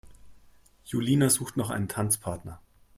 Julina sucht noch einen Tanzpartner.